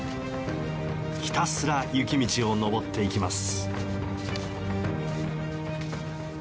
ひたすら雪道を登っていきます。